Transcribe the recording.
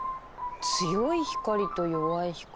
強い光と弱い光。